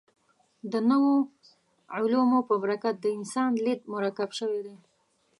د نویو علومو په برکت د انسان لید مرکب شوی دی.